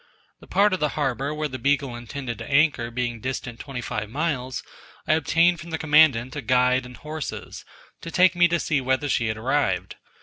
The part of the harbour where the Beagle intended to anchor being distant twenty five miles, I obtained from the Commandant a guide and horses, to take me to see whether she had arrived.